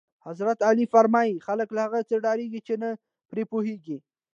حضرت علی فرمایل: خلک له هغه څه ډارېږي چې نه پرې پوهېږي.